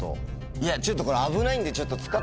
いやちょっとこれ危ないんで。